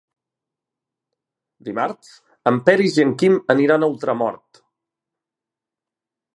Dimarts en Peris i en Quim aniran a Ultramort.